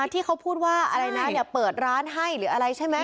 ที่เขาพูดว่าอะไรนะเปิดร้านให้หรืออะไรใช่ไหม